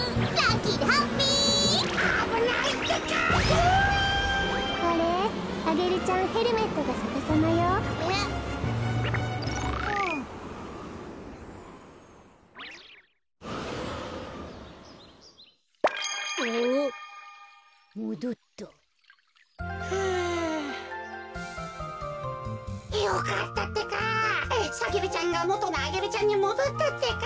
サゲルちゃんがもとのアゲルちゃんにもどったってか。